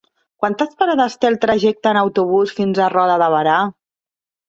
Quantes parades té el trajecte en autobús fins a Roda de Berà?